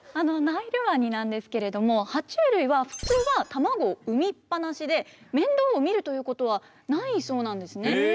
ナイルワニなんですけれどもは虫類は普通は卵を産みっぱなしで面倒を見るということはないそうなんですね。